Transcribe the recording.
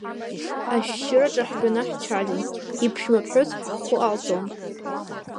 Ашәшьыраҿы ҳтәаны ҳцәажәон, иԥшәма ԥҳәыс ҳхәы ҟалҵон.